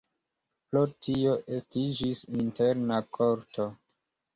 Pro tio estiĝis interna korto.